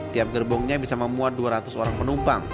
tiap gerbongnya bisa memuat dua ratus orang penumpang